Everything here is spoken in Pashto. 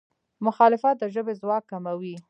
مخالفت د ژبې ځواک کموي.